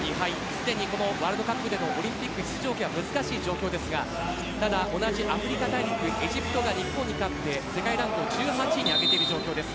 すでにこのワールドカップでもオリンピック出場権は難しい状況ですがただ、同じアフリカ大陸エジプトが日本に勝って世界ランクを１８位に上げている状況です。